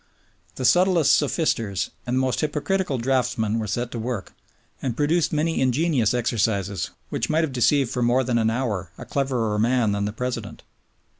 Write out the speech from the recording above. The subtlest sophisters and most hypocritical draftsmen were set to work, and produced many ingenious exercises which might have deceived for more than an hour a cleverer man than the President.